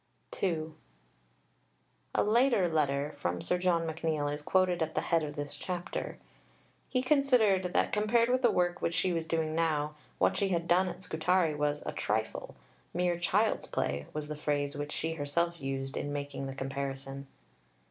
II A later letter from Sir John McNeill is quoted at the head of this chapter. He considered that compared with the work which she was doing now, what she had done at Scutari was "a trifle" "mere child's play" was the phrase which she herself used in making the comparison.